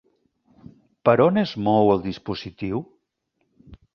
Per on es mou el dispositiu?